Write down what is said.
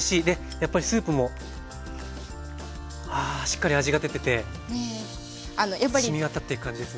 やっぱりスープもあしっかり味が出ててしみ渡っていく感じですね。